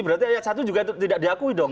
berarti ayat satu juga tidak diakui dong